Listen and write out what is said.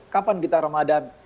kapan kita ramadan